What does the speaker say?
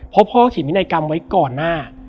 เพราะพ่อเขียนพินัยกรรมไว้ก่อนหน้า